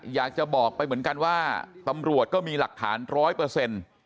อยากจะบอกไปเหมือนกันว่าตำรวจก็มีหลักฐานร้อยเปอร์เซ็นต์